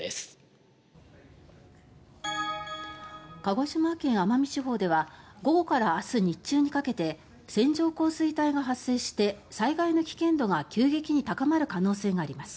本島地方と宮古島地方に今日午後から明日午前中にかけて線状降水帯が発生して大雨災害の危険度が急激に高まる可能性があります。